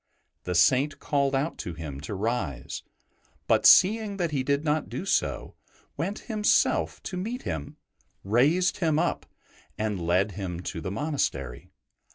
The Saint called out to him to rise; but, seeing he did not do so, went himself to meet him, raised him up, and led him to the monastery.